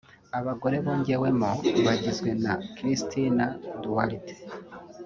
Abagore bongewemo bagizwe na Cristina Duarte